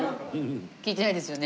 聞いてないですよね？